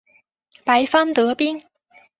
白方得兵。